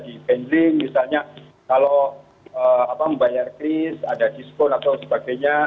di handling misalnya kalau membayar kris ada diskon atau sebagainya